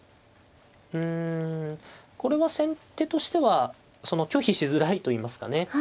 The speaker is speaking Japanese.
うんこれは先手としては拒否しづらいといいますかね